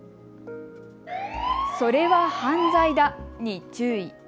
それは犯罪だに注意。